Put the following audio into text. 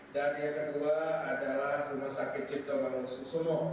dan yang kedua adalah rumah sakit ciptoa mangun kusumo